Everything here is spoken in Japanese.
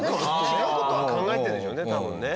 違う事は考えてるんでしょうね多分ね。